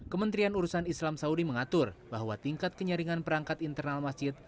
kementerian urusan islam saudi mengatur bahwa tingkat kenyaringan perangkat internal masjid